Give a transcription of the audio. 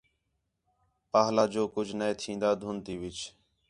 پَاہلا جو کُج نے تِھین٘دا دُھند تی وِچ